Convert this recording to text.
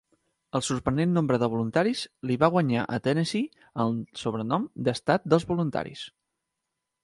El sorprenent nombre de voluntaris li va guanyar a Tennessee el sobrenom d'Estat dels Voluntaris.